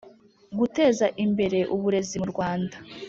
Guteza Imbere Uburezi mu rwanda